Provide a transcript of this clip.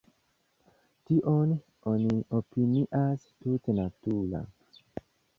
Tion oni opinias tute natura.